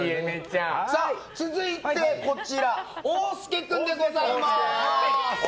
続いておうすけ君でございます。